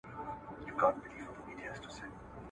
د ژوند کیفیت مو ښه کیږي.